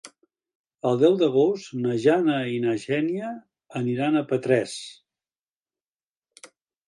El deu d'agost na Jana i na Xènia aniran a Petrés.